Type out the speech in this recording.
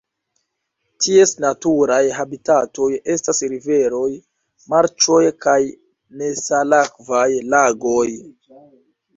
Ties naturaj habitatoj estas riveroj, marĉoj kaj nesalakvaj lagoj.